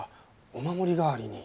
お守り代わりに。